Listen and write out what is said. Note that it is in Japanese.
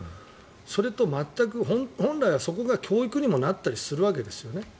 それと全く、本来はそこが教育にもなったりするわけですよね。